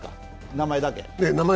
名前だけ。